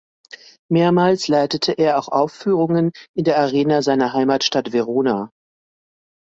Mehrmals leitete er auch Aufführungen in der Arena seiner Heimatstadt Verona.